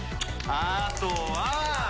あとは。